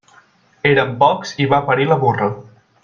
Érem pocs i va parir la burra.